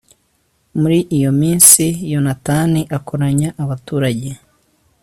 muri iyo minsi, yonatani akoranya abaturage